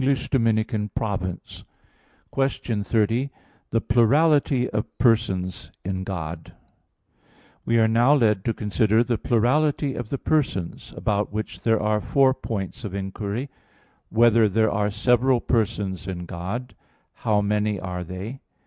_______________________ QUESTION 30 THE PLURALITY OF PERSONS IN GOD (In Four Articles) We are now led to consider the plurality of the persons: about which there are four points of inquiry: (1) Whether there are several persons in God? (2) How many are they?